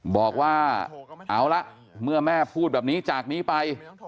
บอกว่าเอาละเมื่อแม่พูดแบบนี้จากนี้ไป